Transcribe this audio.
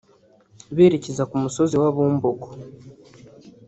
berekeza ku musozi wa Bumbogo